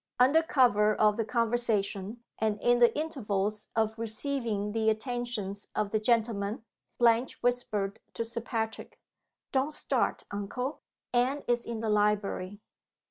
Under cover of the conversation, and in the intervals of receiving the attentions of the gentlemen, Blanche whispered to Sir Patrick, "Don't start, uncle. Anne is in the library."